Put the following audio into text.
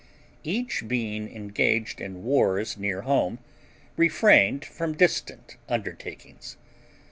Each being engaged in wars near home, refrained from distant undertakings.